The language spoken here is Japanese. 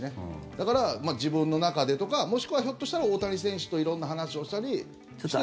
だから、自分の中でとかもしくはひょっとしたら大谷選手と色んな話をしたりして。